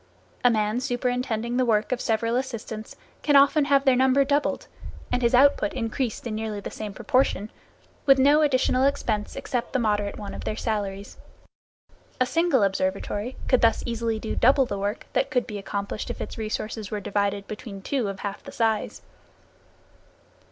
A man superintending the work of several assistants can often have their number doubled, and his output increased in nearly the same proportion, with no additional expense except the moderate one of their salaries. A single observatory could thus easily do double the work that could be accomplished if its resources were divided between two of half the size.